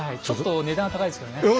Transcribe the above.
ちょっと値段は高いですけどね。